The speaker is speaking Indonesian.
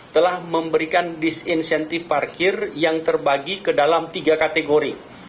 telah memberikan disinsentif parkir yang terbagi ke dalam tiga kategori